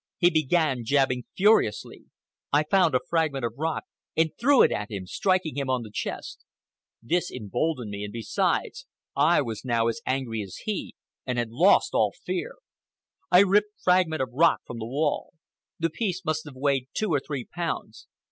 He began jabbing furiously. I found a fragment of rock and threw it at him, striking him on the chest. This emboldened me, and, besides, I was now as angry as he, and had lost all fear. I ripped a fragment of rock from the wall. The piece must have weighed two or three pounds.